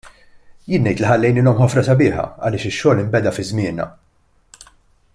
Jien ngħid li ħallejnielhom ħofra sabiħa għaliex ix-xogħol inbeda fi żmienna.